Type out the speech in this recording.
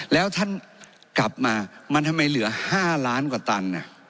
แล้วท่านกลับมามันทำไมเหลือ๕ล้านกว่าตัน